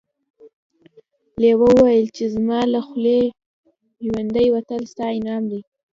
لیوه وویل چې زما له خولې ژوندی وتل ستا انعام دی.